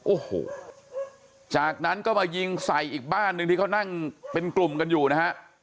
โอ้โหจากนั้นก็มายิงใส่อีกบ้านหนึ่งที่เขานั่งเป็นกลุ่มกันอยู่นะฮะ